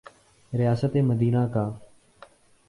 ریاست مدینہ کا۔